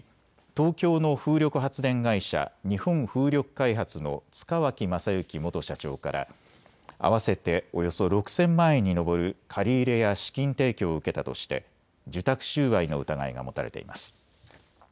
東京の風力発電会社、日本風力開発の塚脇正幸元社長から合わせておよそ６０００万円に上る借り入れや資金提供を受けたとして受託収賄の疑いが持たれています。